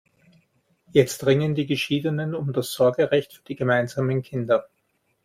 Jetzt ringen die Geschiedenen um das Sorgerecht für die gemeinsamen Kinder.